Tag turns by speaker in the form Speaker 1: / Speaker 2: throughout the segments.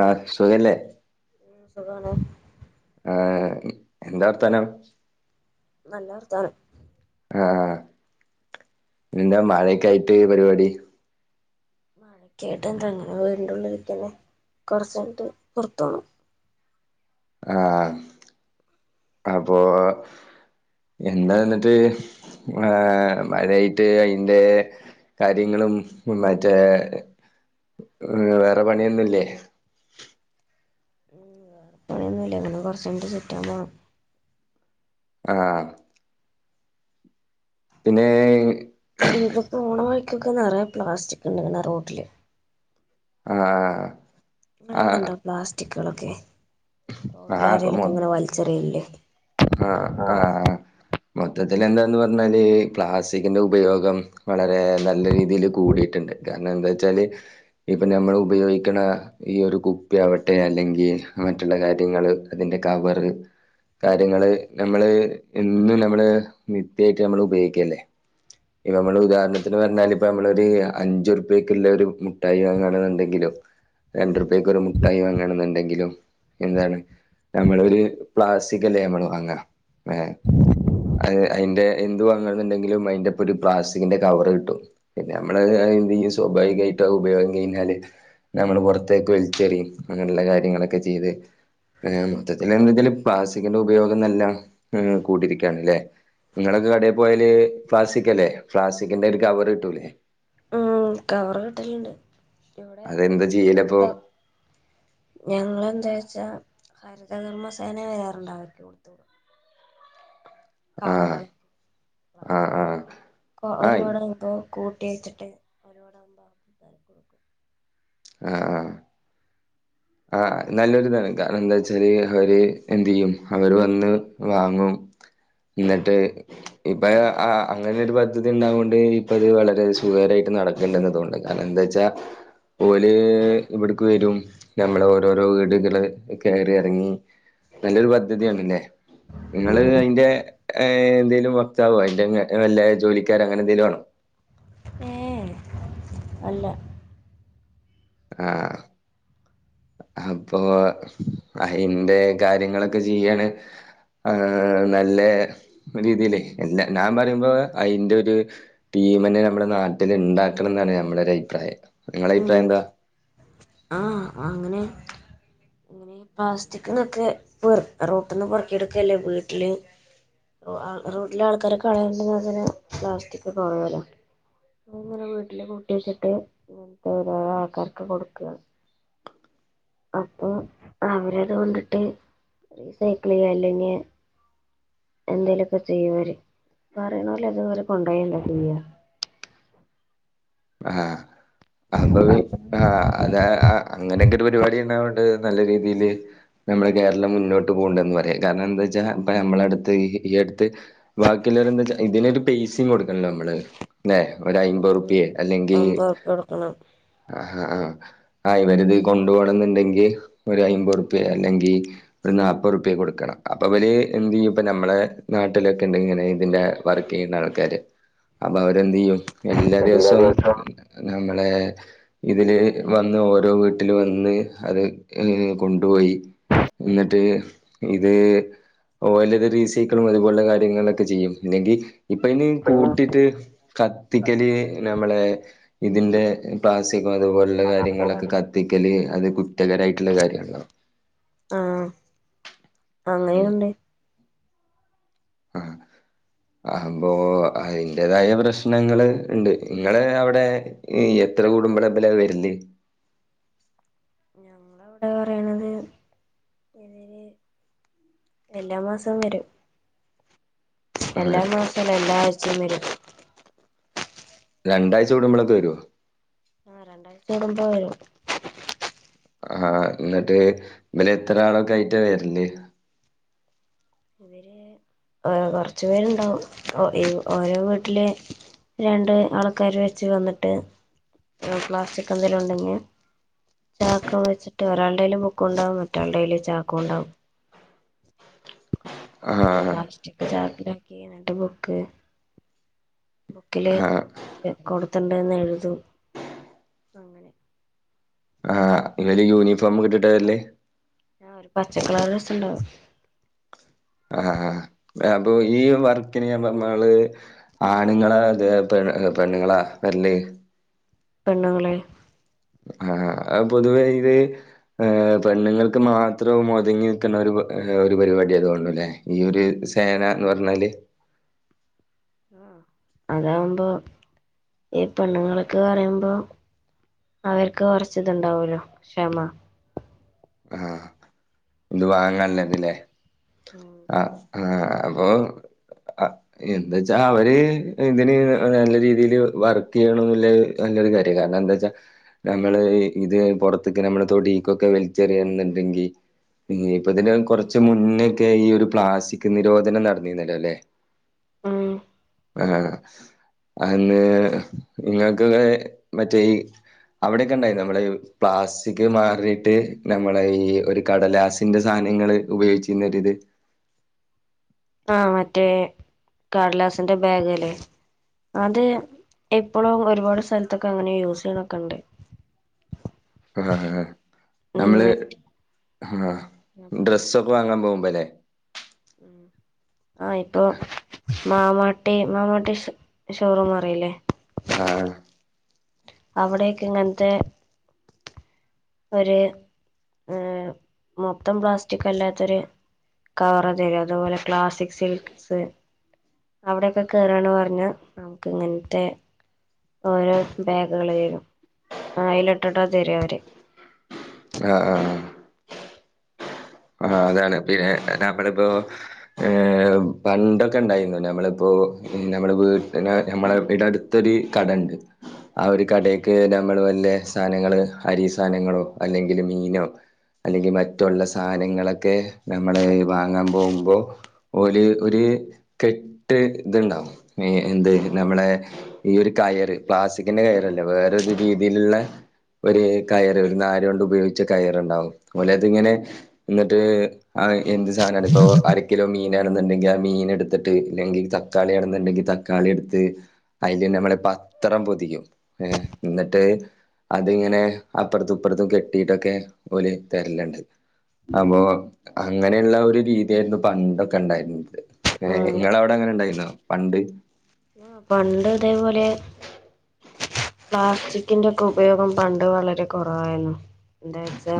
Speaker 1: ആ സുഖല്ലേ
Speaker 2: ഉം സുഖാണ്
Speaker 1: ആഹ് എന്താർത്താനം
Speaker 2: നല്ല വർത്താനം
Speaker 1: ആഹ് എന്താ മഴക്കായിട്ട് പരിപാടി
Speaker 2: മഴക്കായിട്ട് എന്താ ഇങ്ങനെ വീടിനുള്ളിൽ ഇരിക്കനെ കൊറച്ചായിട്ട് പോർത്ത് പോണം
Speaker 1: ആഹ് അപ്പൊ എന്താ ഇന്നിട്ട് ഏഹ് മായായിട്ട് അയിൻ്റെ കാര്യങ്ങളും മറ്റേ വേറെ പണിയൊന്നുല്ലേ
Speaker 2: ഒന്നൂല്ല കുറച്ച് കയ്ഞ്ഞിട്ട് ചുറ്റാൻ പോണം
Speaker 1: ആഹ് പിന്നെ
Speaker 2: ഇങ്ങിട്ട് പോണവഴിക്കൊക്കെ നറയേ പ്ലാസ്റ്റിക് ഉണ്ട് ഇങ്ങനെ റോട്ടില്
Speaker 1: ആഹ്
Speaker 2: നിങ്ങളവിടെ ഇണ്ടോ പ്ലാസ്റ്റിക്കുകളൊക്കെ
Speaker 1: ആ ഇപ്പൊ മൊ
Speaker 2: റോഡിലാരലൊക്കെ ഇങ്ങനെ വലിച്ചെറി യില്ലേ
Speaker 1: ആഹ് ആഹ് മൊത്തത്തിൽ എന്താന്ന് പറഞ്ഞാല് പ്ലാസ്റ്റിക്കിന്റെ ഉപയോഗം വളരെ നല്ല രീതിൽ കൂടിയിട്ടുണ്ട് കാരണം എന്താ വച്ചാല് ഇപ്പൊ നമ്മൾ ഉപയോഗിക്ക്ണ ഈ ഒരു കുപ്പി ആവട്ടെ അല്ലെങ്കിൽ മറ്റുള്ള കാര്യങ്ങള് അതിന്റെ കവറ് കാര്യങ്ങള് നമ്മള് എന്നും നമ്മള് നിത്യായിട്ട് നമ്മള് ഉപയോഗിക്കല്ലേ ഇപ്പ നമ്മള് ഉദാഹരണത്തിന് പറഞ്ഞാൽ ഇപ്പ നമ്മള ഒരു അഞ്ചുറുപ്പക്കുള്ള ഒരു മുഠായി വങ്ങണെണ്ടെങ്കിലും രണ്ട റൂപ്യക്ക് ഒരു മുട്ടായി വാങ്ങണം എന്നുണ്ടെങ്കിലും എന്താണ് നമ്മള ഒരു പ്ലാസ് സ്റ്റിക് അല്ലേ നമ്മൾ വാങ്ങ ഏഹ് അതിന്റെ എന്ത് വാങ്ങണന്നുണ്ടെങ്കിലും അയിന്റെപ്പൊ ഒരു പ്ലാസ്റ്റിക്കിന്റെ കവറ് കിട്ടും പിന്നെ നമ്മള് എന്തിയും സ്വാഭാവികമായിട്ട് ഉപയോഗം കഴിഞ്ഞാല് നമ്മള് പൊറത്തേക്ക് വലിച്ചെറിയും അങ്ങനെയുള്ള കാര്യങ്ങളൊക്കെ ചെയ്ത് മൊത്തത്തില് എന്തച്ചാല് പ്ലാസ്റ്റിക്കിന്റെ ഉപയോഗം നെല്ലാം കൂടിയിരിക്കുകയാണ് അല്ലേ നിങ്ങളൊക്കെ കടയിൽ പോയല് പ്ലാസ്റ്റിക് അല്ലേ പ്ലാസ്റ്റിക്കിന്റെ ഒരു കവർ കിട്ടൂലേ
Speaker 2: ആഹ് കവറ് കിട്ടലുണ്ട് ഇവിടെ
Speaker 1: അതെന്താ ചെയ്യല് അപ്പേ
Speaker 2: ഞങ്ങെന്താ വെച്ചാ ഹരിതകർമ്മ സേന വരാറുണ്ട് അവർക്ക് കൊടുത്ത് വിടും
Speaker 1: ആഹ്
Speaker 2: കവറുകൾ
Speaker 1: ആഹ് ആഹ്
Speaker 2: പ്ലാസ്റ്റിക്
Speaker 1: ആയി
Speaker 2: ഒരുപാട് ഇപ്പം കൂട്ടി വച്ചിട്ട് ലോഡാകുമ്പോ ആക്രിക്കാർക്ക് കൊടുക്കും
Speaker 1: ആഹ് ആഹ് ആഹ് നല്ലൊരിതാണ് കാരണം എന്താ വച്ചാല് അവര് എന്തെയ്യും അവര് വന്ന് വാങ്ങും ഇന്നിട്ട് ഇപ്പൊ അങ്ങന ഒരു പദ്ധതി ഉണ്ടാവണ്ട് ഇപ്പ അത് വളരെ സുഖകരമായിട്ട് നടക്കും ണ്ടെന്ന് തോന്നുന്നു കാരണം എന്താ വച്ചാ ഓല് ഇവിടക്ക് വരും നമ്മളെ ഓരോരോ വീടുകള് കയറി ഇറങ്ങി നല്ലൊരു പദ്ധതിയാണല്ലേ നിങ്ങൾ അതിന്റെ എന്തേലും വക്താവോ അതിന്റെ വല്ല ജോലിക്കാരെ അങ്ങനെ എന്തെങ്കിലും ആണോ
Speaker 2: ഏഹ് അല്ല
Speaker 1: ആഹ് അപ്പൊ അയിന്റെ കാര്യങ്ങളൊക്കെ ചെയ്യാണ് ആ നല്ല രീതിയിലേ എല്ലാ ഞാൻ പറയുമ്പോ അതിന്റെ ഒരു ടീമെനെ നമ്മുടെ നാട്ടിൽ ഉണ്ടാക്കണം എന്നാണ് നമ്മുടെ ഒരു അഭിപ്രായം നിങ്ങളെ അഭിപ്രായം എന്താ
Speaker 2: ആഹ് അഹ് അങ്ങനെ ഈ പ്ലാസ്റ്റിക്കന്നൊക്കെ റോട്ടന്ന് പൊറക്കിയെടുക്കല്ലേ വീട്ടില് റോട്ടില ആൾക്കാരൊക്കെ [unintelligible] [unintelligible] പ്ലാസ്റ്റിക്കെണല്ലോ അങ്ങനെ വീട്ടില് കൂട്ടി വെച്ചിട്ട് ഇങ്ങനത്തെ ഒരോ ആൾക്കാരക്ക് കൊടുക്കുകയാണ് അപ്പൊ അവരത് കൊണ്ടിട്ട് റീസൈക്കിൾ ചെയ്യ അല്ലെങ്കിൽ എന്തേലുമൊക്കെ ചെയ്യവര് പറയണ പോലെ അതുപോലെ കൊണ്ടയ എന്താ ചെയ്യ
Speaker 1: ആഹ അപ്പൊ ആ അത അങ്ങനെയൊക്കെ ഒരു പരിപാടി ഉണ്ട ഏഹ് നല്ല രീതിയിയില് നമ്മള് കേരളം മുന്നോട്ട് പോകണ്ട എന്ന് പറയാം കാരണം എന്താ വെച്ചാ അപ്പ നമ്മുടെ അടുത്ത് ഈ ഈ അടുത്ത് ബാക്കിയുള്ളരെ എന്താച്ച ഇതിനൊരു പേസിും കൊടുക്കണല്ലോ നമ്മള് അല്ലെ ഒ ഒരു അമ്പത്
Speaker 2: ഉം
Speaker 1: റുപ്പല്ല അല്ലെങ്കിൽ
Speaker 2: അമ്പതുർപ്യ കൊടുക്കണം
Speaker 1: ആഹ ആ ആ് ഇവർ ഇത് കൊണ്ടു പോോണം എന്നുണ്ടെങ്കിൽ ഒരു അയമ്പത് റുപ്യ അല്ലെങ്കി ഒരു നാല്പ്പത് റപ കൊടുക്കണം അപ്പൊല് എന്ത് ചെയ്യ ഇപ്പ നമ്മളെ നാട്ടിലൊക്കെ ഉണ്ടെങ്കിൽ ഇങ്ങനെ ഇതിന്റെ വർക്ക് ചെയ്യുന്ന ആൾക്കാര്
Speaker 2: ഉ
Speaker 1: അപ്പൊ അവരെന്ത് ചെയ്യും എല്ലാ ദിവസവും നമ്മളെ ഇതില് വന്ന് ഓരോ വീട്ടിൽ വന്ന് അത് ഏ കൊണ്ടുപോയി എന്നിട്ട് ഇത് ഓ അല്ലത് റീസൈക്കിളും അതുപോലെ കാര്യങ്ങളൊക്കെ ചെയ്യും ഇല്ലെങ്കിൽ ഇപ്പ ഇനി കൂട്ടിയിട്ട് കത്തിക്കല് നമ്മളെ ഇതിന്റെ പ്ലാസ്സികോ അതുപോലുള്ള കാര്യങ്ങളൊക്കെ കത്തിക്കല് അത് കുറ്റകരായിട്ടുള്ള കാര്യണോ
Speaker 2: ആഹ
Speaker 1: ഉം അപ്പോൊ അതിന്റതായ പ്രശ്നങ്ങ ഉണ്ട് നിങ്ങള് അവിടെ എത്ര കൂടുമ്പള എബല വരില്ലേ
Speaker 2: ഞങ്ങളവിടെ പറയണുന്നത് എല്ലാ മാസവും വരും എല്ലാ
Speaker 1: ആഹ്
Speaker 2: മാസ എല്ലാ ആഴ്ചയും വരും
Speaker 1: രണ്ടാഴ്ച കടുമ്പോളൊക്കെ വരുോ
Speaker 2: ഉണ്ടരുമ്പോ വരും
Speaker 1: ആഹ എന്നിട്ട് ഇല എത്ര ആളൊക്കെ ആയിട്ടാ വരല്ലേ
Speaker 2: ഇ കൊറച്ചു പേരുണ്ടാവും ഓരോ വീട്ടില് രണ്ട് ആൾക്കാാര് വെച്ച് വന്നിട്ട് പ്ലാസ്റ്റിക് എന്തേലും ഉണ്ടെങ്കിൽ ചാക്ക വെച്ചിട്ട് ഒരാളുടെേലും മുക്കുണ്ടാവും മറ്റളടേയിും ചാക്ക ഉണ്ടാവും
Speaker 1: ആഹ്
Speaker 2: പ്ലാസ്റ്റിക് ചാക്കല ഒക്കെിട്ട് ബുക്ക് ബുക്കില്
Speaker 1: ആഹ്
Speaker 2: കൊടുത്തണ്ടന്ന് എഴുത അങ്ങനെ
Speaker 1: ഇങ്ങല് യൂണിഫോം ഒ കിട്ടത അല്ലേ
Speaker 2: ആ ഒരു പച്ചക്കള രസംുണ്ടാവും
Speaker 1: ആ അപ്പൊ ഈ വർക്കിന് ഞ്പ നമ്മള് ആണുങ്ങളാ അതെ പെണ്ണുങ്ങളാ വല്ലല്ലേ
Speaker 2: പെണ്ണുങ്ങളെ
Speaker 1: ആഹ പൊതുവേ ഇത് ഏഹ പെണ്ണുങ്ങൾക്ക് മാത്രം മുതങ്ങി നിൽക്കുന്ന ഒരു ഒരു പരിപാടി അതുകൊണ്ടു അല്ലേ ഈൊ ഒരു സേന എന്ന് പറഞ്ഞാല്
Speaker 2: ആഹ അതാവുമ്പോ ഈ പെണ്ണുങ്ങളൊക്കെ പറയുമ്പോ അവർക്ക് കുറച്ച ഇതുണ്ടാവല്ലോ ക്ഷമ
Speaker 1: ആഹ് ഇത് വാങ്ങല്ലേതില്ലേ ആ ആ അപ്പൊ എന്താച്ചാ അവര് ഇതിന് ഹ് ഹ് നല്ല രീതിയില് വർക്കയ്യണന്ന് ല്ല്യ നല്ലൊരു കാര്യ കാരണം ന്താച്ചാ നമ്മള ഈ ഇത് പൊർത് ക്ക് നമ്മള തൊടീ ക്കൊക്ക വെൽച്ചെറിയണം ന്ന് ണ്ടെങ്കിൽ ഹ് യ്യേ പ്പതിന്റെ കൊർച്ച് മുന്നൊക്കെ ഈ ഒരു പ്ലാസ്റ്റിക് നിരോധനം നട് ന്നീ ന്ന ലോ അല്ലേ
Speaker 2: ഉം
Speaker 1: ആഹ് അഹന്ന് ഇങ്ങക്കക്കൊ മറ്റേ ഈ അവിടെക്ക ണ്ടായിര്ന്ന് നമ്മളെ യുവ് പ്ലാസ്റ്റിക് മാറിട്ട് നമ്മളെ ഈ ഒരു കടലാസ് ഇന്റെ സാനങ്ങള് ഉപയോഗിച്ചിന്ന ഒരു ത്
Speaker 2: ആഹ് മറ്റേ കട്ലാസിന്റെ ബാഗ് അല്ലേ അത് എപ്പോളോ ഒരുപാട് സ്ഥൽ ത്തൊക്കെ അങ്ങനെ യൂസ് യ്യണൊക്കണ്ട്
Speaker 1: ആ ഹാ ഹാ ഹാ
Speaker 2: ഉം
Speaker 1: നമ്മള്
Speaker 2: ഞാൻ
Speaker 1: ഹാ
Speaker 2: പറഞ്ഞു
Speaker 1: ഡ്രസ്സൊക്ക വാങ്ങാം പോകുമ്പോ ലെ
Speaker 2: [inaudible] ആഹ് ഇപ്പൊ മാമാട്ടി മാമാട്ടി ശോ ഷോറൂം അറിയില്ലേ
Speaker 1: ആഹ്
Speaker 2: അവിടേക്ക ഇങ്ങൻത്തെ ഒരു മ് മൊത്തം പ്ലാസ്റ്റിക് അല്ലാത്തൊരു കവറ് തരും അതുപോലെ ക്ലാസ്സിക്സ് സിൽക്സ് അവിടെയൊക്കെ കേറാണ് പർഞ്ഞ നമുക്ക് ഇങ്ങൻത്തെ ഓരോ ബാഗുകള് യ്രുന്നു അയ്ല്ട്ട്ട്ടാ തരാ അവര്
Speaker 1: ആഹ് ആഹ് ആഹ് ആഹ് അതാണ് പിന്നെ നമ്മള് പ്പോ ഏഹ് പണ്ടൊക്ക ണ്ടായിരുന്നു ഞമ്മള് പ്പോ മ് നമ്മള വീട്ട്ന നമ്മള വീടെ അടു തോരീ കടണ്ട് ആ ഒരു കടയ്ക്ക് നമ്മള് വല്ല്യ സാനങ്ങള് അരി സാനങ്ങളോ അല്ലെങ്കില് മീനോ അല്ലെങ്കി മറ്റുള്ള സാനങ്ങളൊക്കെ നമ്മള് വാങ്ങാം പോകുമ്പോ ഓല് ഒര് കെട്ട് ഇത്ണ്ടാഹും മേ എന്ത് നമ്മളെ ഈ ഒരു കയറ് പ്ലാസ്റ്റിക്കിന്റെ കയറല്ല വേറൊരു രീതിയിലുള്ള ഒര് കയറ് ഒരു നാരോണ്ട് ഉപയോഗിച്ച കയറ്ണ്ടാവും ഓല അത്ങ്ങനെ ന്നട്ട് ആഹ് എന്ത് സാനാണ് പ്പൊ അര കിലോ മീനാണെന്നുണ്ടെങ്കി ആ മീന് എടുത്തിട്ട് ഇല്ലെങ്കിൽ ത തക്കാളി ആണന്ന്ണ്ടെങ്കി തക്കാളി എടുത്ത് അയ്ല് നമ്മള പത്രം പൊതിയും ഏ ന്നട്ട് അത്ങ്ങനെ അപ്പോർത്തും ഇപ്പർ ത്തും കെട്ടിയിട്ടൊക്കെ ഓല് തര്ല് ണ്ട് അപ്പൊ അങ്ങനെയുള്ള ഒരു രീതിയായിരുന്നു പണ്ടൊക്ക ണ്ടായിരുന്നത്. ഏ
Speaker 2: ഉം
Speaker 1: ഇങ്ങളോടെ അങ്ങനെ ഇണ്ടായിരുന്നോ പണ്ട്?
Speaker 2: ആഹ് പണ്ട് ഇതേപോലെ പ്ലാസ്റ്റിക്കിന്റെ ഒക്കെ ഉപയോഗം പണ്ട് വളരെ കൊറവായിരുന്നു എന്താ ച്ചാ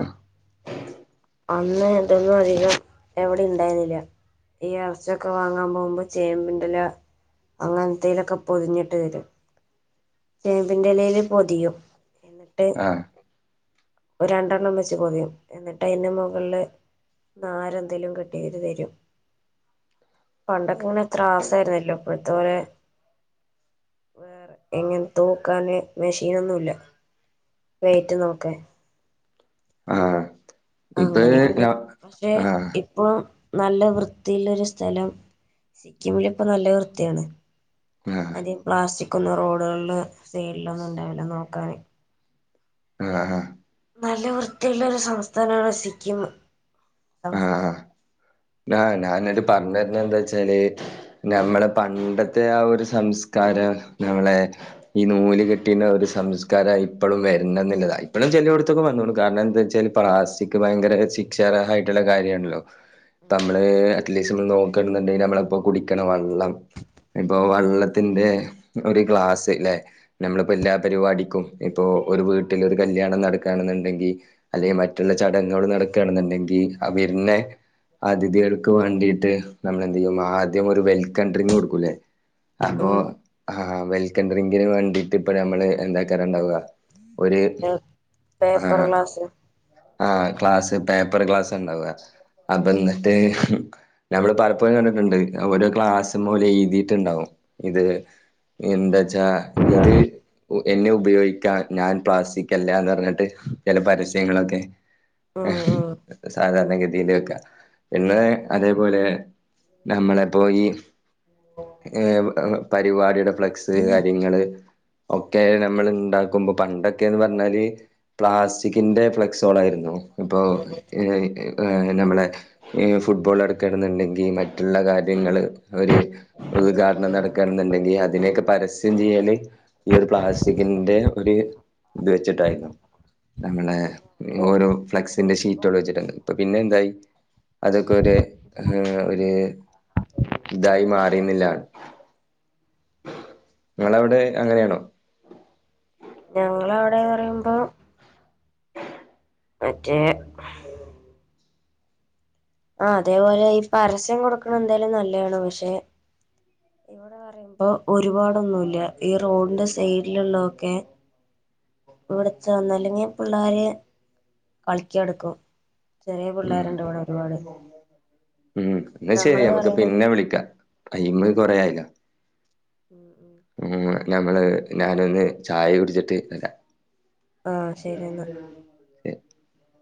Speaker 2: അന്ന് ഇതെന്നും അധികം എവിടിം ണ്ടായിരുന്നില്ല ഈ എർച്ചൊക്ക വാങ്ങാം പോവുമ്പോ ചേമ്പിന്റ എല അങ്ങൻ ത്തേലൊക്കെ പൊതിഞ്ഞിട്ട് തരും ചേമ്പിന്റെ ലയില് പൊതിയും ന്നട്ട്
Speaker 1: ആഹ്
Speaker 2: ഒരണ്ടെണ്ണം വെച്ച് പൊതിയും എന്നിട്ട് അയ്ന്റ മുകള് നാര എന്തെേലും കേട്ടിയ്ത് തരും പണ്ടൊക്ക ഇങ്ങനെ ത്രാസ ആയിരുന്നല്ലോ ഇപ്പോഴത്തെ പോലെ ഇങ്ങന് തൂക്കാന് മെഷീനൊന്നുല്ല വെയിറ്റ് നോക്കാൻ
Speaker 1: ആഹ് ഇപ്പ
Speaker 2: അങ്ങനെ ഉണ്ട് പക്ഷെ
Speaker 1: ആഹ്
Speaker 2: ഇ ഇപ്പം നല്ല വൃത്തിയുള്ള ഒരു സ്ഥലം സിക്കിമിൽ ഇപ്പ നല്ല വൃത്തിയാണ്.
Speaker 1: ആഹ് ആഹ്
Speaker 2: അധികം പ്ലാസ്റ്റിക് ഒന്നും റോഡുകളില് സൈഡില ഒന്നും ഉണ്ടാവില്ല നോക്കാന്
Speaker 1: ആഹ്
Speaker 2: നല്ല വൃത്തിയുള്ള ഒരു സംസ്ഥാനമാണ് സിക്കിം
Speaker 1: ആ ഞാനതു പറഞ്ഞരുന്ന എന്താ വച്ചാല് നമ്മളെ പണ്ടത്തെ ആ ഒരു സംസ്കാരം നമ്മളെ ഈ നൂല് കെട്ടീന് ഒരു സംസ്കാരം ഇപ്പോഴും വരണം എന്നുള്ളതാണ് ഇപ്പോഴും ചെലയടുത്തേക്ക് വന്നോളു കാരണം എന്താ വെച്ചാൽ പ്ലസ്റ്റിക് ഭയങ്കര ശിക്ഷാ രഹയിട്ടുള്ള കാര്യമാണല്ലോ നമ്മള് അറ്റ്ലീസ്വന്ന് നോക്കണ്ന്ന് ണ്ടെങ്കി നമ്മള് പ്പോ കുടിക്കണ വള്ളം ഇപ്പൊ വള്ളത്തിന്റെ ഒരു ഗ്ലാസ് ലെ നമ്മളിപ്പോ എല്ലാ പരിപാടിക്കും ഇപ്പൊ ഒരു വീട്ടിൽ ഒരു കല്യാണം നടക്കാണന്നുണ്ടെങ്കിൽ അല്ലെങ്കി മറ്റുള്ള ചടങ്ങുകൾ നടക്കാണെന്നുണ്ടെങ്കിൽ അ വര്നെ അതിഥികൾക്ക് വേണ്ടീട്ട് നമ്മളെന്തെയ്യും ആദ്യം ഒരു വെൽക്കം ഡ്രിങ്ക് കൊടുക്കൂലേ. അപ്പൊ
Speaker 2: ഉം
Speaker 1: ആ വെൽക്കം ഡ്രിങ്കിന് വേണ്ടിട്ട് ഇപ്പ നമ്മള് എന്താക്കാരാണ്ടാവ്. ഒര്
Speaker 2: പേപ്പർ
Speaker 1: ആഹ്
Speaker 2: ഗ്ലാസ്
Speaker 1: ആഹ് ക്ലാസ്സ് പേപ്പർ ക്ലാസ്സ് ഇണ്ടാവ്. അപ്പൊ ഇന്നിട്ട് ഇഹ് നമ്മള് പലപ്പോഴും കണ്ടിട്ട്ണ്ട് ഓരോ ഗ്ലാസ്സ്മ്മെ ഓല് എഴ്‌തീട്ട്ണ്ടാവും ഇത് എന്താച്ചാ ഇത് എന്നെ ഉപയോഗിക്കാ ഞാൻ പ്ലാസ്റ്റിക് അല്ലാന്നർഞ്ഞാട്ട് ചെല പരസ്യങ്ങളൊക്കെ
Speaker 2: ഉം
Speaker 1: ഏഹ്,
Speaker 2: ഉം
Speaker 1: സാധാരണ ഗതിയിലൊക്കെ. പിന്നെ, അതേപോലെ നമ്മളെ ഇപ്പോ ഈ ഏഹ് പരിവാടിയുടെ ഫ്ലക്സ് കാര്യങ്ങള് ഒക്കെ നമ്മള് ഇണ്ടാക്കുമ്പോ പണ്ടൊക്കേന്ന് പർഞ്ഞാല് പ്ലാസ്റ്റിക്കിന്റെ ഫ്ലക്സ് [unintelligible] ഇപ്പോ ഈ നമ്മളെ ഈ ഫുട്ബോള് നട്ക്കാണ് ണ്ടെങ്കി മറ്റ്ള്ള കാര്യങ്ങള് ഓര് ഉദ്ഘാടനം നട ക്കെന്ന്ണ്ടെങ്കിൽ അതിനേക്കെ പരസ്യം ചെയ്യല് ഈ ഒര് പ്ലാസ്റ്റിക്കിന്റെ ഒര് ഇത് വെച്ചിട്ടായിരുന്നു. നമ്മളെ ഓരോ ഫ്ലെക്സിന്റെ ഷീറ്റോൾ വെച്ചിട്ടുണ്ട് ഇപ്പ പിന്നെ എന്തായി അതൊക്കെ ഒര് ഇഹ് ഒര് ഇതായി മാറിന്നില്ലാണ്. നിങ്ങളവിടെ അങ്ങനെണോ?
Speaker 2: ഞങ്ങള അവിടെ പറയുമ്പോ മറ്റേ ആ അതെ പോലെ ഈ പരസ്യം കൊടുക്കണ എന്തായാലും നല്ലേണ് പക്ഷെ, ഓര് പറയുമ്പോ ഒര്പാടൊന്നുല്ല. ഈ റോഡിന്റെ സൈഡിലുള്ളൊക്കെ ഇവിടെ [unintelligible] അല്ലെങ്കി പിള്ളേര് കളിക്ക ഇടുക്കും. ചെറിയ
Speaker 1: ഉം
Speaker 2: പിള്ളേരുണ്ട് ഇവിടെ ഒരുപാട്.
Speaker 1: ഇന്നാ ശെരി
Speaker 2: ഞങ്ങള്
Speaker 1: നമക്ക്
Speaker 2: പറയണത്
Speaker 1: പിന്നെ വിളിക്കാ, ടൈം കൊറേ ആയല്ലോ.
Speaker 2: ഉം ഉം
Speaker 1: ഞമ്മള് ഞാനൊന്ന് ചായ കുടിച്ചിട്ട് ഇപ്പരാ
Speaker 2: ആഹ്, ശെരി ഇന്ന.
Speaker 1: [inaudible]